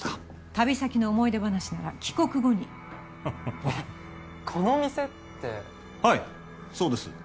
旅先の思い出話なら帰国後にこのお店ってはいそうです